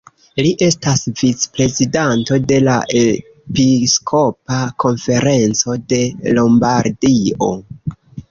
Li estas vic-prezidanto de la Episkopa konferenco de Lombardio.